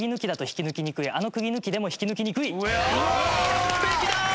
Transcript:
完璧だ！